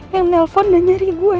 yang nelpon dan nyari gue